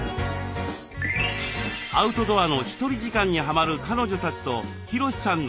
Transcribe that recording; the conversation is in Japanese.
アウトドアのひとり時間にハマる彼女たちとヒロシさんのキャンプ。